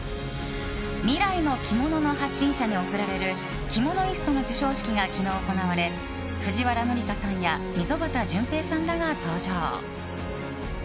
未来の着物の発信者に贈られるキモノイストの授賞式が昨日行われ、藤原紀香さんや溝端淳平さんらが登場。